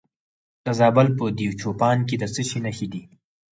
د زابل په دایچوپان کې د څه شي نښې دي؟